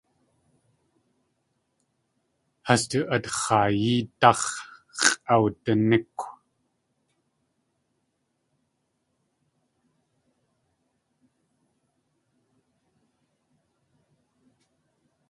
Has du atx̲aayídáx̲ x̲ʼawdiníkw.